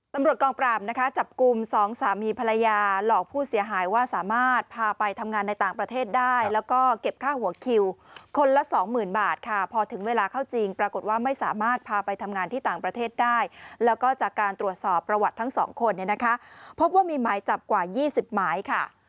ตำรวจกองปราบนะคะจับกลุ่มสองสามีภรรยาหลอกผู้เสียหายว่าสามารถพาไปทำงานในต่างประเทศได้แล้วก็เก็บค่าหัวคิวคนละสองหมื่นบาทค่ะพอถึงเวลาเข้าจริงปรากฏว่าไม่สามารถพาไปทำงานที่ต่างประเทศได้แล้วก็จากการตรวจสอบประวัติทั้งสองคนเนี่ยนะคะพบว่ามีหมายจับกว่า๒๐หมายค่ะ